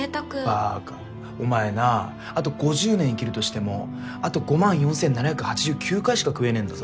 ばかお前なあと５０年生きるとしてもあと５万４，７８９回しか食えねぇんだぞ。